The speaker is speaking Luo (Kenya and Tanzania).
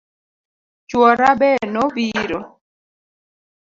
Chuora be nobiro